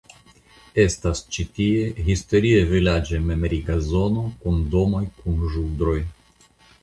Estas ĉi tie historia vilaĝa memriga zono kun domoj kun ĵudroj.